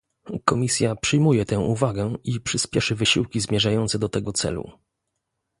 Komisja przyjmuje tę uwagę i przyśpieszy wysiłki zmierzające do tego celu